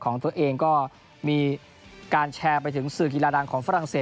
ของตัวเองก็มีการแชร์ไปถึงสื่อกีฬาดังของฝรั่งเศ